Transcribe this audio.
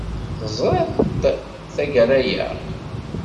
Teẓriḍ-t tagara-a?